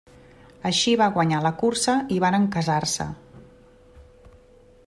Així va guanyar la cursa i varen casar-se.